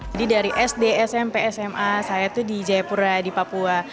jadi dari sd smp sma saya itu di jayapura di papua